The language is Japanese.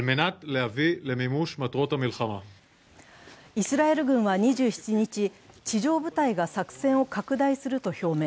イスラエル軍は２７日、地上部隊が作戦を拡大すると表明。